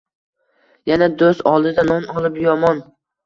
Yana do‘st oldida nom olib yomon